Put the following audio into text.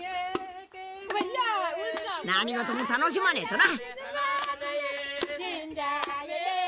何事も楽しまねぇとな。